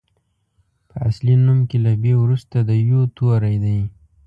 په اصلي نوم کې له بي وروسته د يوو توری دی.